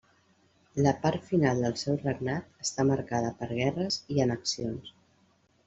La part final del seu regnat està marcada per guerres i annexions.